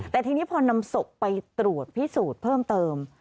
แต่ทีนี้พอนำศพไปตรวจพิสูจน์เพิ่มเติม